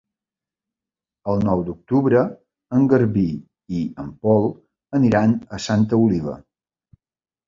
El nou d'octubre en Garbí i en Pol aniran a Santa Oliva.